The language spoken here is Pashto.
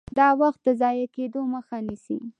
دا د وخت د ضایع کیدو مخه نیسي.